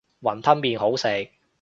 雲吞麵好食